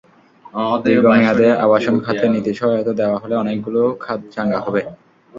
দীর্ঘ মেয়াদে আবাসন খাতে নীতিসহায়তা দেওয়া হলে অনেকগুলো খাত চাঙা হবে।